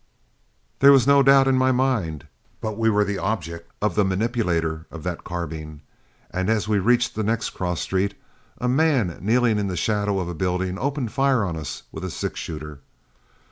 There was no doubt in my mind but we were the object of the manipulator of that carbine, and as we reached the next cross street, a man kneeling in the shadow of a building opened fire on us with a six shooter.